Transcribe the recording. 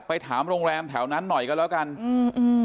ไปถามโรงแรมแถวนั้นหน่อยก็แล้วกันอืมอืม